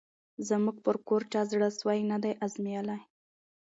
زموږ پر کور چا زړه سوی نه دی آزمییلی